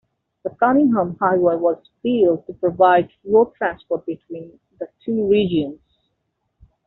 The Cunningham Highway was built to provide road transport between the two regions.